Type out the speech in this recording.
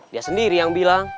dia sendiri yang bilang